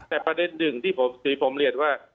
แต่ประเด็นหนึ่งที่ผมเรียนว่า